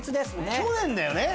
去年だよね？